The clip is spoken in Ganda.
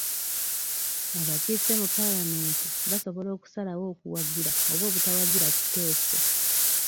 Abakiise mu palamenti basobola okusalawo okuwagira oba obutawagira kiteeso.